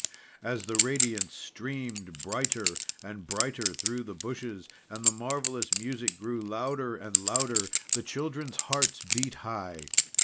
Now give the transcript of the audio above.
As the radiance streamed brighter and brighter through the bushes, and the marvellous music grew louder and louder, the children's hearts beat high.